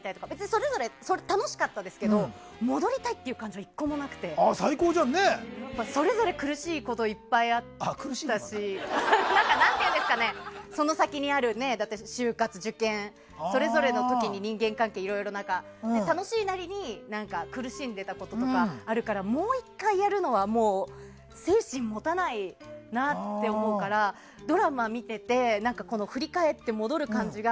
それぞれ楽しかったですけど戻りたいという感情はなくてそれぞれ苦しいことがいっぱいあったしその先にある就活、受験それぞれの時に人間関係がいろいろ楽しいなりに苦しんでたこととかあるからもう１回やるのは精神が持たないなって思うからドラマを見てて振り返って、戻る感じが